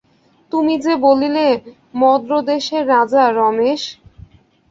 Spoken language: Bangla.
তুমি যে বলিলে মদ্রদেশের রাজা- রমেশ।